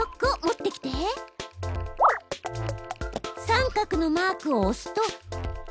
三角のマークをおすと。